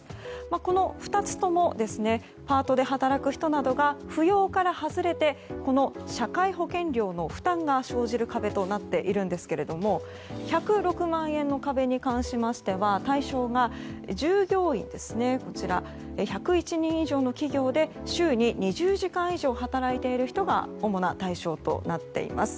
この２つともパートで働く人などが扶養から外れて社会保険料の負担が生じる壁となっていますが１０６万円の壁に関しましては対象が従業員１０１人以上の企業で週に２０時間以上働いている人が主な対象となっています。